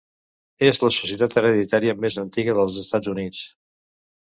És la societat hereditària més antiga dels Estats Units.